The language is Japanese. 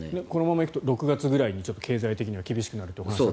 このままいくと６月くらいに経済的には厳しくなると。